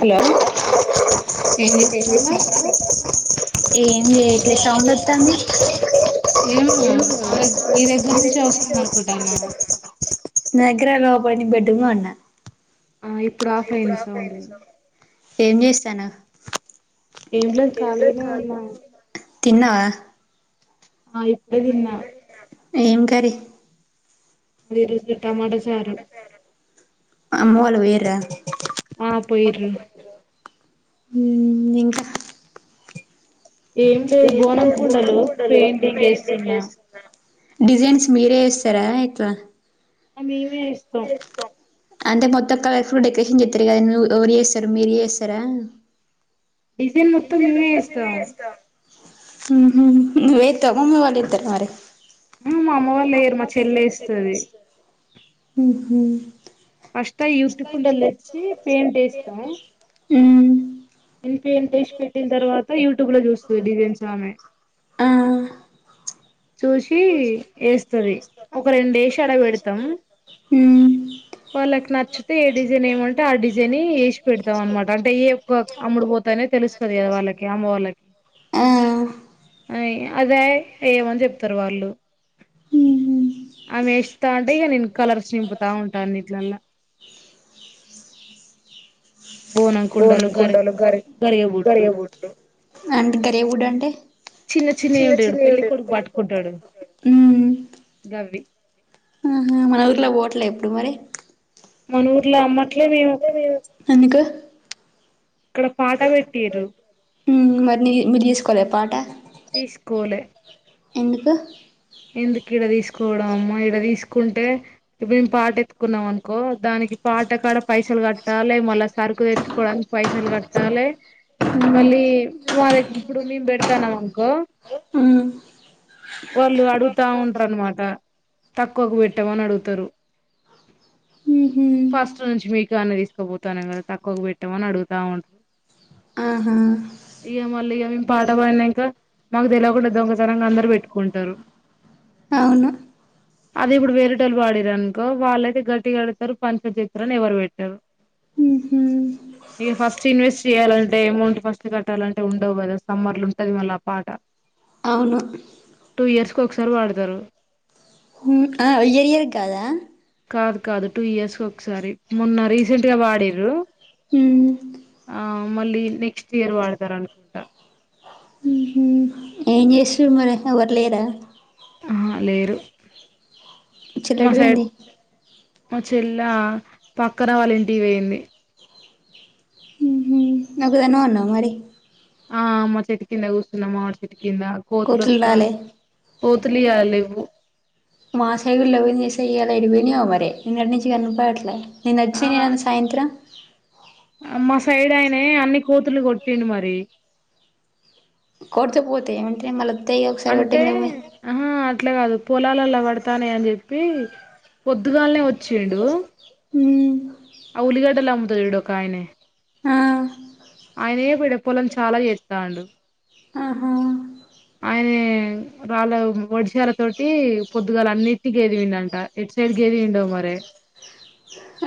Hello ఏం చేస్తున్నారు. ఏమ్ చేయట్లే సౌండ్ వస్తాంది ఏం నా నేను దగ్గ నీ దగ్గర నేను నుంచి ఎప్పుడ్ నుంచో వస్తుంది వస్తూ అనుకుంటానా ఉందేమో నగరలో పటి పెట్టు అన్నా ఆ ఇప్పుడు ఆఫ్ అయింది సౌండ్ ఏం చేస్తనవ్ ఏం లేదు ఏంలేద్ ఖాళీనే ఉన్నా ఖాళీగనే ఉన్నా తిన్నావా. ఆ ఇప్పుడే తిన్నా ఏం కర్రి అది ఈరోోజు టమాటా చారు అమ్మ వాళ్ళు పొయ్యిర్రా ఆ ప్లేట్లు ఊహ ఇంకా లేదు ఏం బోనం కుండలు లేదు పెయింటింగ్ ఏస్తున్నా చేస్తున్నా డిజైన్స్ మీరే ఏస్తారా ఎట్లా మేమే వేస్తాం అంటే మొత్తం కలర్ ఫుల్ డెకరేషన్ చెస్తారు కదా నువ ఎవరు చేస్తారు మీరు చేస్తారా డిజైన్ మొత్తం మేమే వేస్తాం ఊహు నువ్వు ఏత్తవ మమ్మీ వాళ్ ఇద్దరికి మరి. ఊ మా అమ్మ వాళ్ళు ఎయ్యరు మా చెల్లె ఏస్తది. ఊహు ఫస్ట్ అయి యుత్తి కుండల్ తెచ్చీ పెయింట్ ఏస్తం. ఉమ్మ్ [unintelligible] పెట్టిన్ తర్వాతా యూట్యూబ్ లో చూస్తది డిజైన్స్ ఆమె. ఆ చూసి వేస్తది ఒక రెండు వేసి అడ పెడతాం మ్మ్ వాళ్ళకి నచ్చితే ఏ డిజైన్ ఏమంటే ఆ డిజైన్ ఎసి పెడతాం అనమాట అంటే ఏ ఎక్కువ అమ్ముడు పోతానే తెలుస్తాది కదా వాళ్ళకి అమ్మ వాళ్ళకి ఆ అని అదే ఏమని చెప్తారు వాళ్ళు మ్మ్ హు ఆమెస్తతా ఉంటే ఇక నేను కలర్స్ నింపుతా ఉంటా నీటిలలా బోనం కుండలు గరి గరి బుడ్లు చిన్న చిన్నయి ఉంటాయి చూడు పెళ్ళి కొడుకు పట్టుకుంటాడు గవి ఆహ మన ఊర్లో ఓట్లే ఎప్పుడు మరి మన ఊర్లో అమ్మట్లే మేము ఎందుకు ఇక్కడ పాట పెట్టిన్రు ఉహూ మరి నీ మీరు తిసుకోలే పాట తీస్కోలే ఎందుకు ఎందుకు ఇడ తీసుకోవడం అమ్మా ఇడ తీసుకుంటే మేము పాట ఎత్కున్నాం అనుకో దాని నికి పాట కాడ పైసలు కట్టాలే మళ్ళా సరుకు తెచ్చుకోవడానికి పైసలు కట్టాలే మ్మ్ మళ్ళీ మాదై ఇప్పుడు మేము పెడతానాం అనుకో ఉమ్ వాళ్ళు అడుగుతా ఉంటారు అనమాట తక్కువకు పెట్టామని అడుగుతారు ఊహూ ఫస్ట్ నుంచి మీ కానే తీసుకోబోత ా కదా తక్కువకు పెట్టామని అడుగుతా ఉంటారు ఆహా ఇగ మళ్ళ ఇగ పాట పాడినాంకా మాకు తెలియకుండాద్దొకసంగా అందరు పెట్టుకుంటారు అవును అది ఇప్పుడు వేరేటోల్లు పాడిన్రు అనుకో వాళ్ళైతే గట్టిగాడతారు పంచ చిత్రాని ఎవరు పెట్టారు ఊహూ ఇక ఫస్ట్ ఇన్వెస్ట్ చేయాలంటే అమౌంట్ ఫస్ట్ కట్టాలంటే ఉండవు కదా సమ్మర్లు ఉంటది మళ్ళీ ఆ పాట అవును టూ ఇయర్స్ కు ఒకసారి వాడతారు ఆ వెయ్యేది కాదా కాదు కాదు టూ ఇయర్స్ ఒకసారి మొన్న రీసెంట్ గా వాడిన్ర్రు ఉమ్ ఆ మళ్ళీ నెక్స్ట్ ఇయర్ వాడతారు అనుకుంటా ఉహూ ఏం చేస్తారు మరి ఎవ్వర్లేరా ఆ లేరు చెల్లె ఎటు పోయింది ఆ చెల్ల పక్కన వాళ్ళ ఇంటికి పోయింది కుతే నవన్నా మరి ఆ మా చెట్టు కింద కూర్చున్నామాడ చెట్ కింద కోతులు వ కోతులు ఇగ లేవు మాసైడ్ లేవానియాసే ఎటు పోయినయో మరి నిన్నట్ నుంచి కన్నప్పట్లే నిన్న ఆ అజ్ినని నన్ను సాయంత్రం మా సైడ్ అయినే అన్ని కోతులు కొట్టిండు మరి కొడితే పోతాయ్ ఏమ అంటే మళ్ళా అంటే అహా! అట్లా కాదు, పొలాలలో పడతాన్నాయి అని చెప్పి పొద్దుగాలనే వచ్చిండు. మ్ ఆ ఉల్లిగడ్డలు అమ్ముతాడు చూడు, ఒక ఆయనే ఆ అయనే పొ పొలం చాలా చేస్తాండు. ఆహా ఆయన రాలే, వర్షాలతోటి పొద్దుగాల అన్నింటికి గేదె పోయిందంటే ఎడ్ గేదె ఏంటో మరి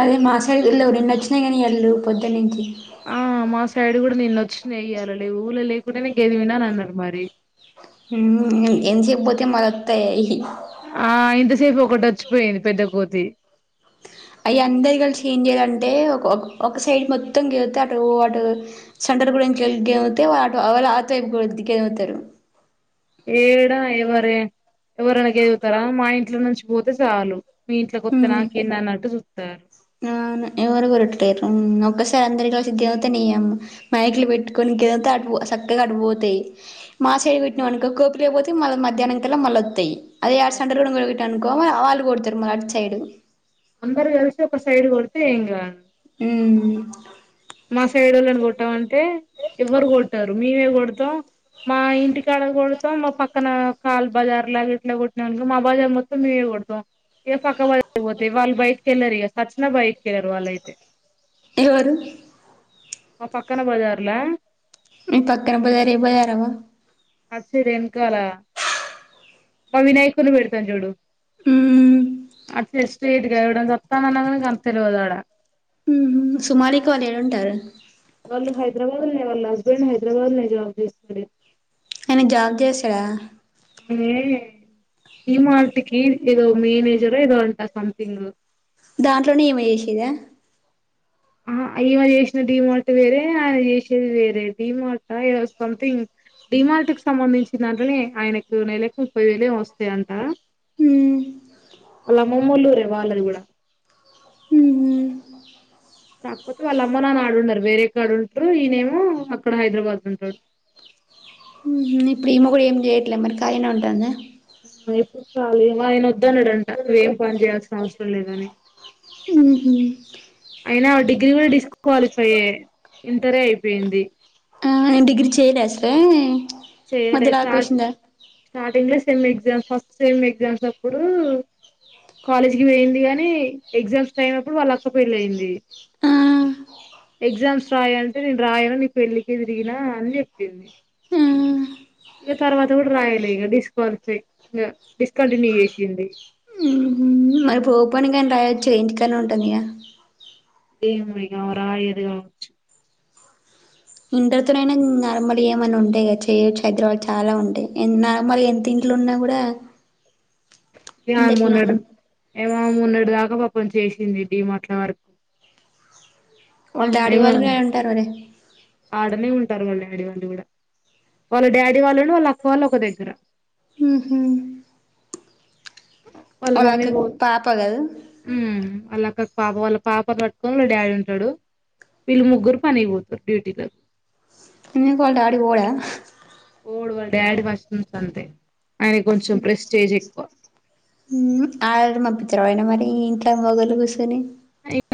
అదే మాసాడిళ్లు ఎన్న వచ్చినాయి కానీ ఏళ్ళు పొద్దునుంచి ఆ మాస్ సైడ్ కూడా నిన్న వచ్చినాయ్, ఈయాల లేవు ఊర్లో లేకుండా నే గేదె పిండాలన్నారు మరి. ఏం చేయకపోతే మల్లొత్తయి అవి ఆ ఇంతసేపు ఒకటి వచ్చిపోయింది పెద్ద కోతి అవి అందరు కలిసి ఏం చేయాలంటే ఒక ఒక సైడ్ మొత్తం కెళితే అటు సైడ్ అందరుగురించి [unintelligible] ఇంటికి వెళితే వాళ్ళ ఆటో ఏమవుతారు. ఏడా ఎవరే ఎవరైనా గేలుగుతారా మా ఇంట్లో నుంచి పోతే చాలు మీ ఇంట్లో కొత్త నాకేంది అన్నట్టు చూస్తారు. ఎవరు ఉరటికేయరు హ్మ్ ఒకసారి అందరి తోసి దేవితే నీ యమ్మ మైకులు పెట్టుకని గెలువతే చక్కగా అటుపోతాయి మా సైడు పెట్టినాం అనుకో కోపిలేకిపోతాయి మళ్ళా మధ్యాహనంకల్లా మళ్ళా వత్తాయి. అదయారు అవును సండలు కూడా అనుకో ఆళ్లు కూడాతురుమన అటు సైడు. [unintelligible] అందరు కలిసి ఒక సైడ్ కొడితే ఎంగాదు. మ్ మా సైడ్ వాళ్ళని కొట్టామంటే ఎవ్వరు కొట్టరు మేమే కొడతాం. మా ఇంటి కాడ కుడుత, మా పక్కన కాళ్ బజార్ లాగా ఇట్లా కుట్టినాను అనుకో మా బజార్ మొత్తం మీ చూడ ఏ పక్క వాళ్ పోతాయి వాళ్ళు బయటకి వెళ్ళారు. ఇక సచ్చిన బయటకి వెళ్ళరు వాళ్ళయితే. ఎవరు? ఆ పక్కన బజార్లో పక్కన బజార్ ఏ బజార్. అది సరే వెనకాల మా వినాయకుని పెడతాం చూడు ఉమ్ అది స్ట్రెయిట్ గా వత్తానన్నా గాని తెల్వదు అడ సుమారకి వాళ్ళు నెల ఉంటారు. వాళ్ళు హైదరాబాద్ లోనే వాళ్ళ హస్బెండ్ హైద్రాబాద్ లోనే జాబ్ చేస్తాడు. ఆయన జాబ్ చేస్తాడా? ఇది డీమార్టికి ఏదో మేనేజరో ఏదో అంట సంథింగ్. దాంట్లోనే ఈమె చేసేదా? హు హూ ఈమె చేసిన డిమార్ట్ వేరే ఆయన చేసేది వేరే డీమార్ట్ సంథింగ్. డిమార్ట్ కి సంబంధించిన దాంట్లోనే ఆయనకు నెలకు ముప్పై వేలే వస్తాయి అంట. ఉమ్ వాళ్ళ అమ్మమ్మలూరే వాళ్ళది కూడా. ఉహు కాకపోతే వాళ్ళు అమ్మ, నాన్న ఆడ ఉండరు. వేరే కాడ ఉంటారు. ఈయనేమో అక్కడ హైదరాబాద్ లో అక్కడ ఉంటాడు. ఇప్పుడు ఈమె కూడా ఏమి చేయట్లేదు మరి కఖాళీగానే ఉంటుందా? ఎప్పుడు ఖాళీ ఆయన వద్దాన్నాడంట నువ్వ ఏం పని చేయాల్సిన అవసరం లేదని. ఉ హు అయినా డిగ్రీ కూడా డిస్క్వాలిఫై యే ఇంటరే అయిపోయింది. ఆ డిగ్రీ చేయదేశాలు. చేయలే స్టార్ స్టార్టింగ్ లో sem exam. First sem exams అప్పుడు కాలేజ్ కి పోయింది గానీ, ఎగ్జామ్స్ టైం అప్పుడు వాళ్ళ అక్క పెళ్ళి అయింది. ఆ ఎగ్జామ్స్ రాయి అంటే నేను రాయను నేను పెళ్ళికే తిరిగినా అని చెప్పింది ఆ ఇగా తర్వాత కూడా రాయాలే ఇగా డిస్కాలిఫై ఇగా డిస్కంటిన్యూ చేసింది ఉహు మరి ఇప్పుడు గానీ రాయొచ్చుగా ఇంటికాడనే ఉంటాంది కదా ఏమో ఇగా ఆమె రాయాదు కావచ్చు ఇంటర్ తో నైనా నార్మల్ ఏమన్నా ఉంటేయి కదా చేయొచ్చు హైదరాబాద్ చాలా ఉంటాయి నార్మల్ ఎంత ఇం లున్న కూడా మీ ఇంది నాన్ ఎట్లా మొన్నడు ఏమో మొన్నటిదాకా పాపం చేసింది డిమాట్లా వర్క్ వాళ్ళ డాడీ హైమా వాళ్ళు కూడా ఉంటారు మరి ఆడనే ఉంటారు కథనే వాళ్ళు కూడా వాళ్ళ డాడీ వాళ్ళును వాళ్ళ అక్క వాళ్ళు ఒక దగ్గర ఉహు వాళ్ళ మమ్మీ అక్క పోద్ పాప కదా వాళ్ళ అక్క పాప వాళ్ళ పాప పట్టుకోని డాడీ ఉంటాడు వీళ్ళు ముగ్గురు పని పోతరు డ్యూటీలకు ఎందుకు వాళ్ళ డాడీ పొడ పోడు వాళ్ళ డాడీ ఫస్ట్ నుంచి అంతే ఆయనకు కొంచెం ప్రెస్టేజ్ ఎక్కువ ఆయన పిచ్చిలోడ ఏమన్నా ఇంట్ల మొగోళ్ళు కూర్చొని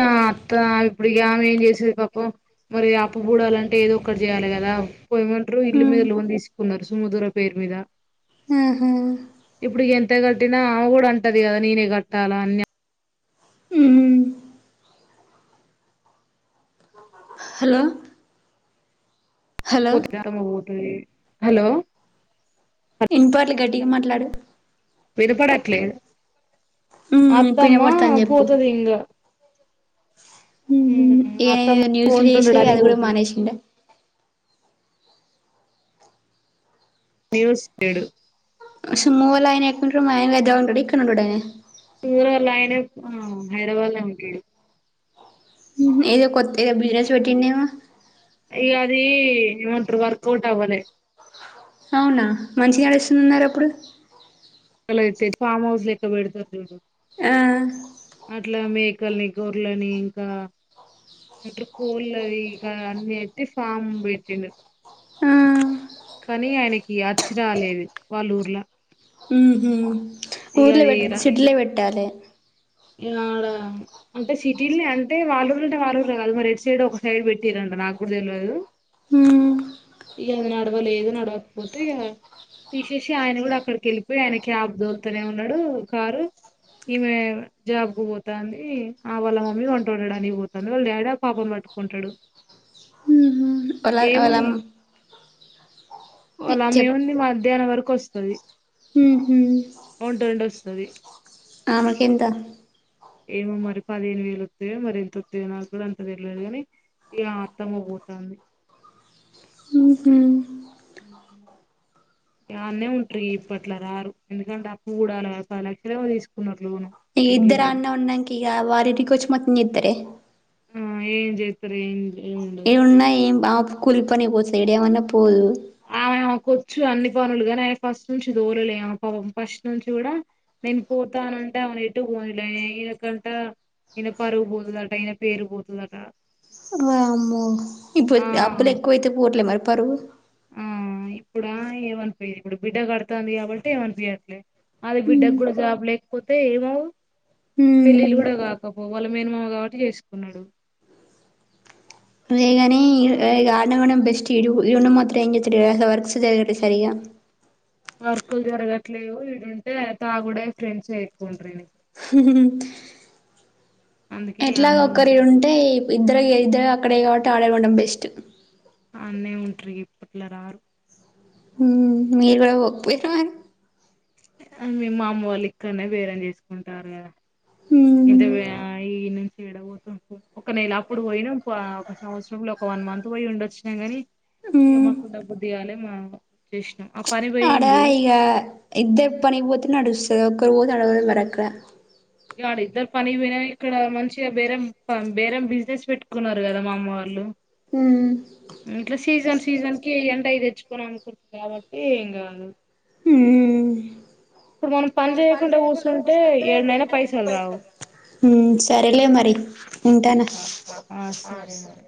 అత్త ఇప్పుడు ఇగ ఆమె ఏం చేసుడు పాపం మరి అప్పు పూడాలంటే ఏదో ఒక్కటి చేయాలే కదా పోయిన మంతు ఉ ఇల్లు మీద లోన్ తీసుకున్నారు సుమధుర పేరు మీద ఉ ఇప్పుడు ఎంత కట్టినా ఆమె కూడా అంటది కదా నేనే కట్టాలా అని ఉ హలో హలో పోతది అత్తమ్మ పోతది హలో ఇనపట్లే గట్టిగా మాట్లాడు వినపడట్లే ఉ ఇప్పుడు అత్తమ్మా వినపడతాంది చెప్పు పోతది ఇంగా ఇగ ఆయన అత్తమ్మ ఏదో న్యూసులు చేసే వంటుండడానికి అది కూడా పోతది బంద్ చేసిండా న్యూస్ ఏడు ఓషి మొవ్వలా ఆయన ఎక్కడుంటాడు [unintelligible] ఇక్కడ ఉంటాడ ఆయనే సురోల్ల ఆయన హైదరాబాదులోనే ఉంటాడు ఏదో కొత్త ఏదో బిజినెస్ పెట్టిండేమో ఇగ అది ఏమంటారు వర్క్ ఓట్ అవ్వలే అవునా మంచిగా నడుస్తుందిన్నారు అప్పుడు ఫామ్ హౌస్ లెక్క పెడతాది ఆ అట్లా మేకల్ని, గొర్లని ఇంకా [unintelligible] ఫామ్ పెట్టిండు ఆ కానీ ఆయనకి అచ్చు రాలేదు వాళ్లుఊర్ల ఊర్లో పెట్ రా సిటీలో పెట్టాలే ఇగ ఆడ అంటే సిటీల్నే అంటే వాళ్ళ ఊర్లనే వాళ్ళ ఊర్లోనే కలవరు ఎటు సైడు ఒక సైడు పెట్టిర్రంట నాకు కూడా తెలవదు ఉమ్ ఇగ నడవలేదు నడవకపోతే ఇగా తీసేసి ఆయన కూడా అక్కడికి వెళ్ళిపోయి ఆయన క్యాబ్ తోలుతునే ఉన్నాడు కారు ఈమె జాబ్ కు పోతంది ఆ వాళ్ళ మమ్మీ వంట వండడానికి పోతుంది వాళ్ళ డాడీ ఆ పాపను పట్టుకుంటాడు ఉహు వాళ్ళ వాళ్ళ అమ్మ వల్ల అమ్మ ఏముంది మధ్యాహ్నం వరకు వస్తుంది ఉహు అది ఆమె కెంత ఏమో మరి పదిహేను వేలు వస్తాయో మరి ఎంత వస్తయో నాకు కూడా అంత తెలేదుగాని ఇ అత్తమ్మ పోతంది ఉహు ఉహు యాన్నే ఉంటాయి ఇప్పట్ల రారు ఎందుకంటే అప్పు కూడా అల పది లక్షలేమో తీసుకున్నారు ఇ ఇద్దరా అన్నే ఉన్నాంక ఇగ వారి ఇంటికొచ్చి ఏం చెత్తరే ఆ ఏం చెత్తరే ఏంది ఏవున్నా ఏం ఆ కులి పనికి పోస ఎడయావన్న పోదు ఆమెకు వచ్చు అన్ని పనులు గానీ ఫస్ట్ నుంచి దోరలే ఫస్ట్ నుంచి కూడా నేను పోతానంటే ఎట్టు పోనీలా ఈయనకంట ఈయన పరువు పోతుందట ఈయన పేరు పోతుందట వామ్మో ఇప్పుడు ఆ అప్పులు ఎక్కువైతే పోతలే మరి పరువు ఆ ఇప్పుడా ఏమనిపోయది ఇప్పుడు బిడ్డ కడుతంది కాబట్టి ఏమనిపియట్లేదు అట్లే అది బిడ్డ కూడా జాబ్ లేకపోతే ఏమవు ఉమ్ పెళ్ళిళ్ళు కూడా కాకపోవు వాళ్ళ మేనమామ కాబట్టి చేసుకున్నాడు వేగానే ఈ గార్డన్ బెస్ట్ ఇయన మాత్రం అయి వర్క్స్ లేదు సరిగా అ [inaudible] వర్క్లు జరగట్లేవు ఇడుంటే తాగుడే ఫ్రెండ్స్ ఎక్కువ ఉండ్రీ [unintelligible] అందుకే ఈయ ఎట్లా ఆన్నే ఒకరి ఉన్నడు ఉంటే ఇద్దరు ఇద్దరు అక్కడే కాబట్టి ఆడే ఉండడం బెస్ట్ అన్నీ ఉంట్రి ఇప్పట్లో రారు హు మీరు కూడా పోకుపోయిన మరి మేం మా అమ్మ వాళ్ళు ఇక్కడనే బేరేం చేసుకుంటారు కదా ఎంత వి ఈనుంచి ఏడ పోతావ్ ఒక నెల అప్పుడు పోయినా ఒక సంవత్సరం లో ఒక వన్ మంత్ పోయి ఉండొచ్చిన గాని ఏ మాకు ఉండబుద్ధి గాలే ఇంకా ఆడా ఇక ఇద్దే పనిపో ఎ నడుస్తారు ఒక్కరు పోతే అడుద మరకుల ఇడ ఇద్దరు పనికి పోయిన ఇక్కడ మంచిగా బేరేం బేరేం బిజినెస్ పెట్టుకున్నారు కదా మా అమ్మ వాళ్ళు ఊ ఇట్లా సీజన్ సీజన్ కి ఎంటయి తెచ్చుకోని అనుకుంటుంది కాబట్టి ఇంగ ఉమ్ ఇప్పుడు మనం పని చేయకుండా కూర్చుంటే ఏడనైనా పైసలు రావు సరేలే మరి ఉంటాను ఆ సరే మరి